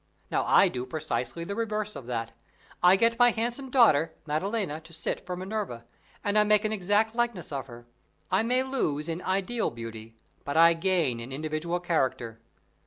Now I do precisely the reverse of that. I get my handsome daughter, Maddalena, to sit for Minerva, and I make an exact likeness of her. I may lose in ideal beauty, but I gain in individual character.